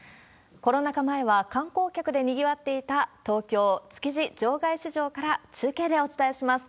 コロナ禍前は観光客でにぎわっていた東京・築地場外市場から中継でお伝えします。